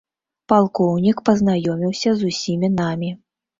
Палкоўнік пазнаёміўся з усімі намі.